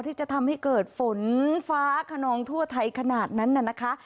ที่จะทำให้เกิดฝนฟ้าขนองทั่วไทยขนาดนั้นน่ะนะคะ